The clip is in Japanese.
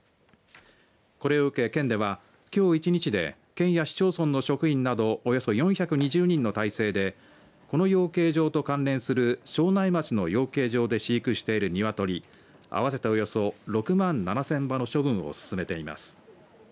これを受け県ではきょう一日で県や市町村の職員などおよそ４２０人の態勢でこの養鶏場と関連する庄内町の養鶏場で飼育している鶏合わせて、およそ６万７０００羽の処分を進めています。